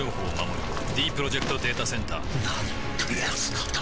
ディープロジェクト・データセンターなんてやつなんだ